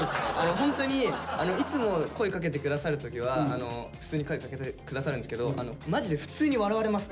ホントにいつも声かけて下さる時は普通に声かけて下さるんですけどマジで普通に笑われます